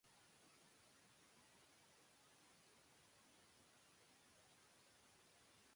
তিনি বিভিন্ন প্রযোজনায় মি. সিন্ডার্সের ভূমিকায় অভিনয় করেন।